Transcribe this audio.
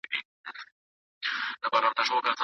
کله چې مرغۍ اوبو ته ښکته شوه، سړي پرې تیږه وویشتله.